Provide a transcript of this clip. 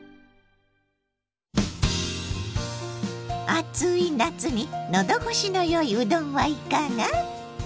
暑い夏に喉越しの良いうどんはいかが？